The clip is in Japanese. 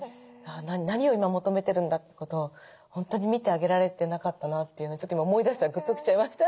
何を今求めてるんだってことを本当に見てあげられてなかったなというのをちょっと今思い出したらグッと来ちゃいました。